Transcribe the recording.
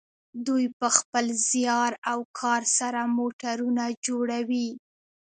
دوی په خپل زیار او کار سره موټرونه جوړوي.